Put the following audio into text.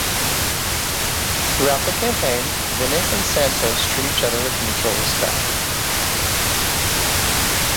Throughout the campaign, Vinick and Santos treat each other with mutual respect.